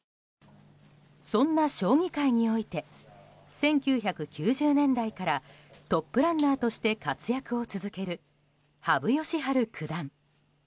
そんな将棋界において１９９０年代からトップランナーとして活躍を続ける羽生善治九段。